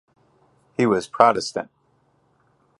He was Protestant.